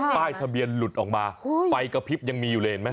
ป้ายทะเบียนหลุดออกมาไฟกระพริบยังมีอยู่เลยเห็นไหม